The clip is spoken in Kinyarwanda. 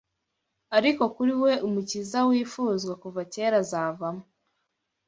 ariko kuri we umukiza wifuzwa kuva kera azavamo